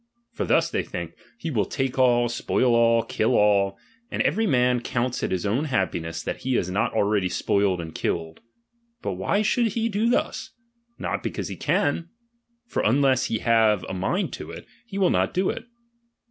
For thus they think; he will take all, spoil all, kill all; and every man counts it his only happinetts, that he ia not already spoiled and killed. But why should he do thus? Not because he can ; forun lesa he have a mind to it, he will not do it.